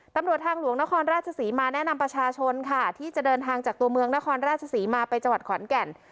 ตำรวจทางหลวงนครราชศรีมาแนะนำประชาชนค่ะที่จะเดินทางจากตัวเมืองนครราชศรีมาไปจังหวัดขอนแก่น